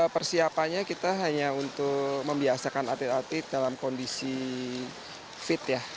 persiapannya kita hanya untuk membiasakan atlet atlet dalam kondisi fit ya